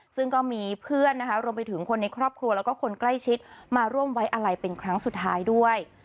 ซึ่งก็มีเพื่อนนะคะรวมไปถึงคนในครอบครัวแล้วก็คนใกล้ชิดมาร่วมไว้อะไรเป็นครั้งสุดท้ายด้วย